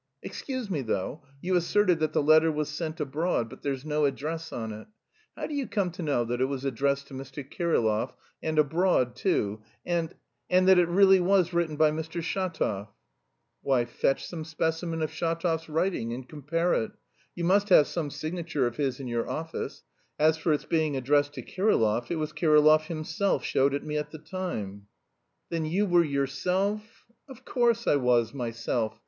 "Excuse me, though. You asserted that the letter was sent abroad, but there's no address on it; how do you come to know that it was addressed to Mr. Kirillov and abroad too and... and... that it really was written by Mr. Shatov?" "Why, fetch some specimen of Shatov's writing and compare it. You must have some signature of his in your office. As for its being addressed to Kirillov, it was Kirillov himself showed it me at the time." "Then you were yourself..." "Of course I was, myself.